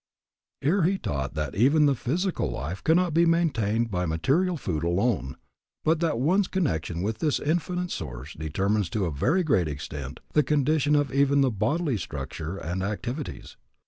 Here he taught that even the physical life can not be maintained by material food alone, but that one's connection with this Infinite Source determines to a very great extent the condition of even the bodily structure and activities.